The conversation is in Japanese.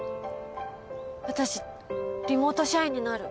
私リモート社員になる。